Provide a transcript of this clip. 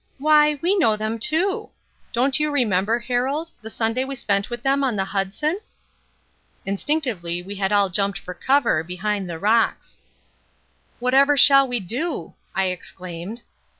"Why, we know them too. Don't you remember, Harold, the Sunday we spent with them on the Hudson?" Instinctively we had all jumped for cover, behind the rocks. "Whatever shall we do?" I exclaimed.